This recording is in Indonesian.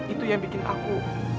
itu yang bikin aku